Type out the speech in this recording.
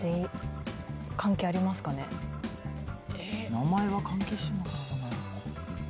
名前が関係してるのかな？